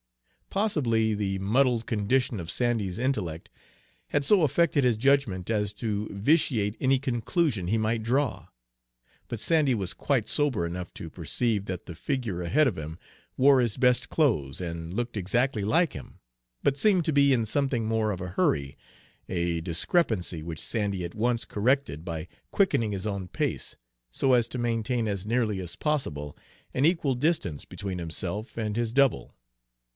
Possibly the muddled condition of Sandy's intellect had so affected his judgment as to vitiate any conclusion he might draw, but Sandy was quite sober enough to perceive that the figure ahead of him wore his best clothes and looked exactly like him, but seemed to be in something more of a hurry, a discrepancy which Sandy at once corrected by quickening his own pace so as to maintain as nearly as possible an equal distance between himself and his double.